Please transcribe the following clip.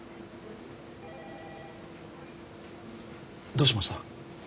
どうしました？